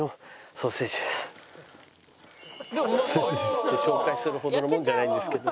「ソーセージです」って紹介するほどのものじゃないんですけど。